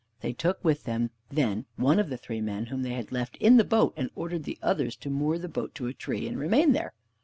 They took with them, then, one of the three men whom they had left in the boat, and ordered the others to moor the boat to a tree, and remain there.